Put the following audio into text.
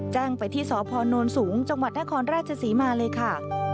แจ้งไปที่สพนสูงจังหวัดนครราชศรีมาเลยค่ะ